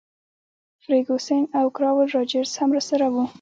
فرګوسن او کراول راجرز هم راسره وو.